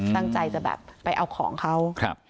ตั้งใจจะแบบไปเอาของเขา